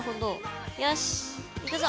よしいくぞ！